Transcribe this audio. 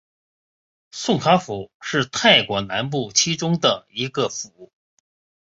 宋卡府是泰国南部其中的一个府。